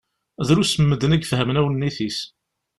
Drus n medden i ifehmen awennit-is.